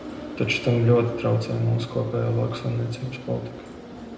Taču tam ļoti traucē mūsu kopējā lauksaimniecības politika.